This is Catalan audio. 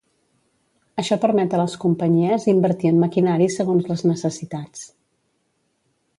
Això permet a les companyies invertir en maquinari segons les necessitats.